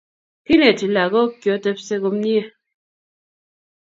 Kineti lakok kiotepso komyei